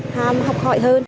tham học họi hơn